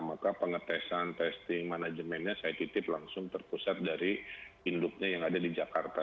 maka pengetesan testing manajemennya saya titip langsung terpusat dari induknya yang ada di jakarta